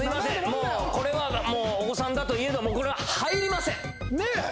もうこれはもうお子さんだといえどもこれは入りませんねえ